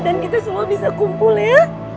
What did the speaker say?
dan kita semua bisa kumpul ya